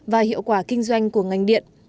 và hiệu quả kinh doanh của ngành điện